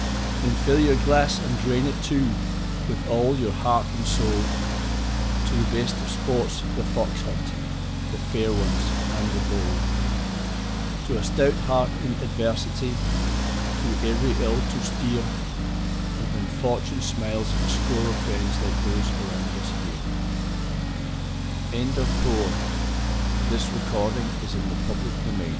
Then fill your glass, and drain it, too, with all your heart and soul, To the best of sports The Fox hunt, The Fair Ones, and The Bowl, To a stout heart in adversity through every ill to steer, And when Fortune smiles a score of friends like those around us here. To a Proud Beauty "A Valentine" Though I have loved you w